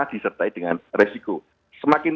disertai dengan resiko semakin